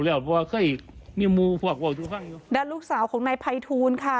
แล้วลูกสาวของนายไภทูนค่ะ